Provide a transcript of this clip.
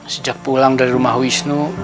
sejak pulang dari rumah wisnu